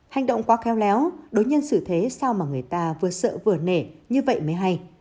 hành động quá khéo léo đối nhân xử thế sao mà người ta vừa sợ vừa nể như vậy mới hay